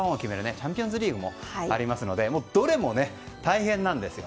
チャンピオンズリーグもありますので、どれも大変なんですよ。